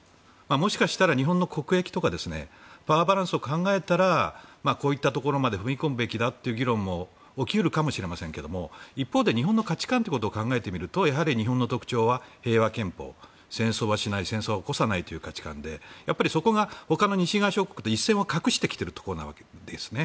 もしかしたら日本の国益とかパワーバランスを考えたらこういったところまで踏み込むべきだという議論も起き得るかもしれませんが一方で日本の価値観ということを考えてみると日本の特徴は平和憲法戦争はしない戦争は起こさないという価値観でそこがほかの西側諸国と一線を画してきているところなんですね。